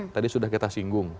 tadi sudah kita singgung